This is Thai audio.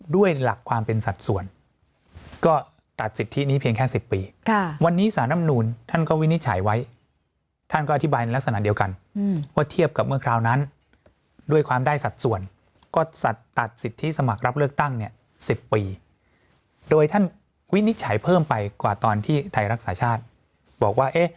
ด้วยหลักความเป็นสัดส่วนก็ตัดสิทธินี้เพียงแค่๑๐ปีวันนี้สารรำนูนท่านก็วินิจฉัยไว้ท่านก็อธิบายในลักษณะเดียวกันว่าเทียบกับเมื่อคราวนั้นด้วยความได้สัดส่วนก็ตัดสิทธิสมัครรับเลือกตั้งเนี่ย๑๐ปีโดยท่านวินิจฉัยเพิ่มไปกว่าตอนที่ไทยรักษาชาติบอกว่าเอ๊ะ